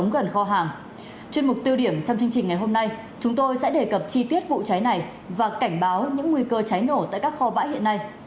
trong chương trình ngày hôm nay chúng tôi sẽ đề cập chi tiết vụ cháy này và cảnh báo những nguy cơ cháy nổ tại các kho bãi hiện nay